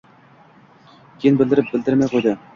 Keyin bildirib-bildirmay qo’ydi.